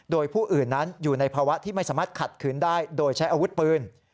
โดยผู้อื่นนั้นอยู่ในภาวะที่ไม่สามารถขัดขืนได้โดยใช้อาวุธปืน